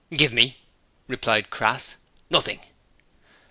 'Give me?' replied Crass. 'Nothing!'